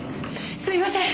すみません！